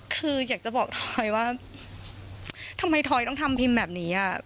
คืออยากจะบอกทอยว่าทำไมทอยต้องทำพิมพ์แบบนี้อ่ะ